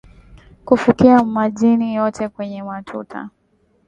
kufukia majni yote kwenye matuta